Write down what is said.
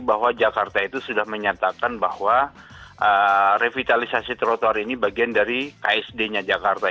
bahwa jakarta itu sudah menyatakan bahwa revitalisasi trotoar ini bagian dari ksd nya jakarta